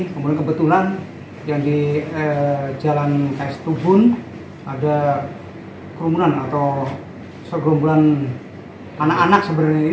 kemudian kebetulan yang di jalan ks tubun ada kerumunan atau segerombolan anak anak sebenarnya